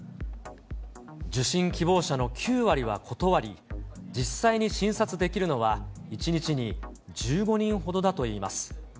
受診希望者の９割は断り、実際に診察できるのは１日に１５人ほどだといいます。